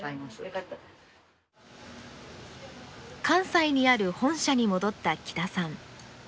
関西にある本社に戻った木田さん。